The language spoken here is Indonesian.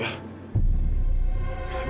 biar aku aja yang ikut